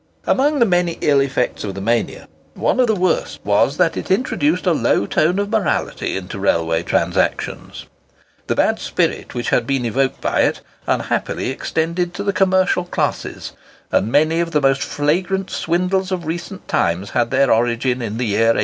Amongst the many ill effects of the mania, one of the worst was that it introduced a low tone of morality into railway transactions. The bad spirit which had been evoked by it unhappily extended to the commercial classes, and many of the most flagrant swindles of recent times had their origin in the year 1845.